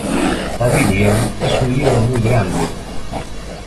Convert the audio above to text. La biblia es un libro muy grande.